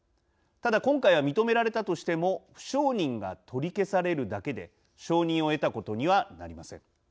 ただ今回は認められたとしても不承認が取り消されるだけで承認を得たことにはなりません。